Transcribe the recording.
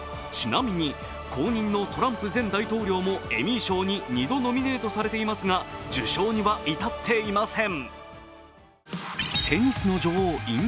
ちなみに後任のトランプ前大統領もエミー賞に２度ノミネートされていますが受賞には至っていません。